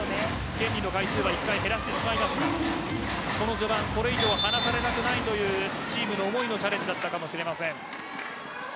権利の回数は１回減らしてしまいましたが序盤、これ以上離されたくないというチームの思いのチャレンジだったかもしれません。